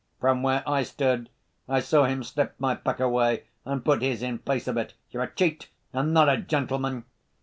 "From where I stood I saw him slip my pack away, and put his in place of it—you're a cheat and not a gentleman!"